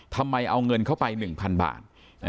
ทำไมเอาเงินเข้าไป๑๐๐๐บาท